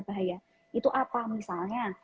bahaya itu apa misalnya